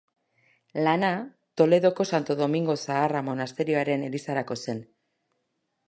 Lana Toledoko Santo Domingo Zaharra monasterioaren elizarako zen.